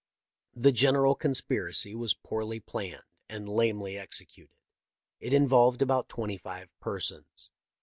The general conspiracy was poorly planned and lamely executed. It involved about twenty five persons.